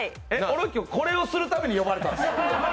俺、これをするために呼ばれたんですか？